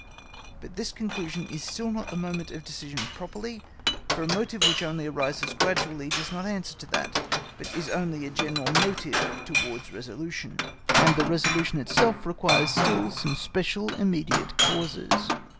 But this conclusion is still not the moment of decision properly, for a motive which only arises gradually does not answer to that, but is only a general motive towards resolution, and the resolution itself requires still some special immediate causes.